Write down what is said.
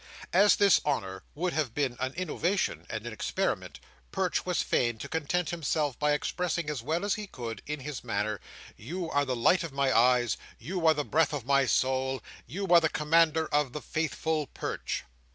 As this honour would have been an innovation and an experiment, Perch was fain to content himself by expressing as well as he could, in his manner, You are the light of my Eyes. You are the Breath of my Soul. You are the commander of the Faithful Perch!